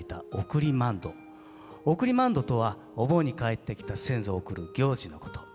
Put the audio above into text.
送り万灯とはお盆に帰ってきた先祖を送る行事のこと。